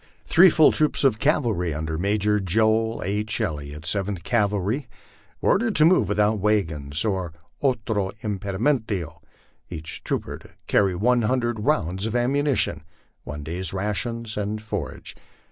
Three full troops of cavalry under Major Joel II. Elliot, 7th Cavalry, were ordered to move without wagons or otro impedimienlo, each trooper to carry one hundred rounds of ammunition, one day's rations and forage.